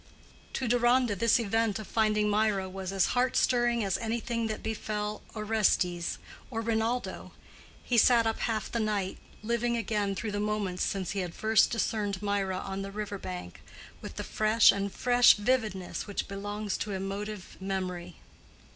To Deronda this event of finding Mirah was as heart stirring as anything that befell Orestes or Rinaldo. He sat up half the night, living again through the moments since he had first discerned Mirah on the river brink, with the fresh and fresh vividness which belongs to emotive memory.